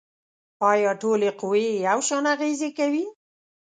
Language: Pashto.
آیا ټولې قوې یو شان اغیزې کوي؟